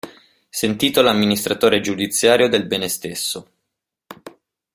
Sentito l'amministratore giudiziario del bene stesso.